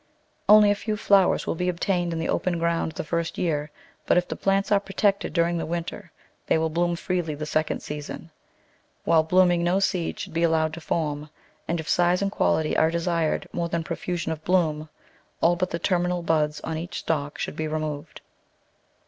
Only a few flowers will be obtained in the open ground the first year, but if the plants are protected during the winter they will bloom freely the second season. While blooming no seed should be allowed to form, and if size and quality are desired more than profusion of bloom, all but the terminal buds on each stalk should be removed.